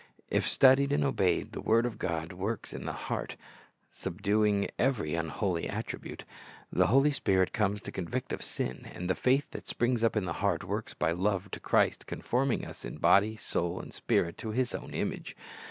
"^ If studied and obeyed, the word of God works in the heart, subdu ing every unholy attribute. The Holy Spirit comes to convict of sin, and the faith that springs up in the heart works by love to Christ, conforming us in body, soul, and spirit, to His own image.